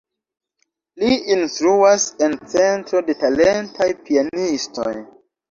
Li instruas en centro de talentaj pianistoj.